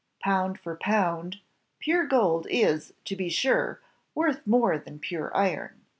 Poimd for pound, pure gold is, to be sure, worth more than pure iron.